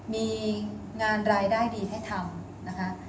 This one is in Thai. มีงานรายได้ดีให้ทำนะคะ